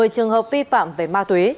một mươi trường hợp vi phạm về ma tuế